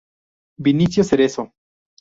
Vinicio Cerezo.